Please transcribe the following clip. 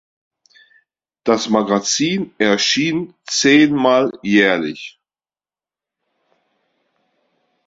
Das Magazin erschien zehnmal jährlich.